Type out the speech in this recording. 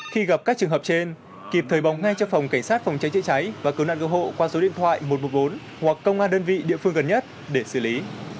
khi gặp các trường hợp trên kịp thời bóng ngay cho phòng cảnh sát phòng cháy chữa cháy và cứu nạn cứu hộ qua số điện thoại một trăm một mươi bốn hoặc công an đơn vị địa phương gần nhất để xử lý